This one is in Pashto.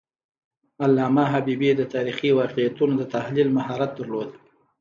علامه حبیبي د تاریخي واقعیتونو د تحلیل مهارت درلود.